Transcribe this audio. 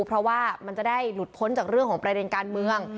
เพราะว่ามันจะได้หลุดพ้นจากเรื่องของประเด็นการเมือง